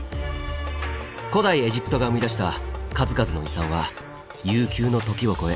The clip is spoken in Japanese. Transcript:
古代エジプトが生み出した数々の遺産は悠久の時を超え